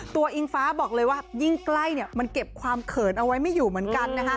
อิงฟ้าบอกเลยว่ายิ่งใกล้มันเก็บความเขินเอาไว้ไม่อยู่เหมือนกันนะคะ